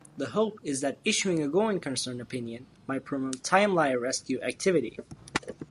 The hope is that issuing a going-concern opinion might promote timelier rescue activity.